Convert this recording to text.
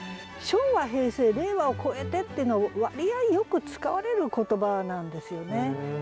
「昭和平成令和を越えて」っていうの割合よく使われる言葉なんですよね。